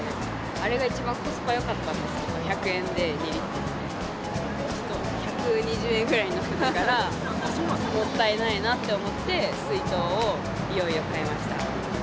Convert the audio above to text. あれが一番コスパよかったんですけど、１００円で２リットル、１２０円ぐらいになったから、もったいないなって思って、水筒をいよいよ買いました。